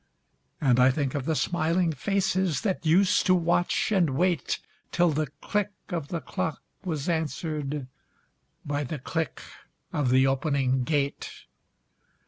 And I think of the smiling faces That used to watch and wait, Till the click of the clock was answered By the click of the opening gate.